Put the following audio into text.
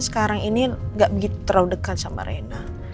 sekarang ini nggak begitu terlalu dekat sama rena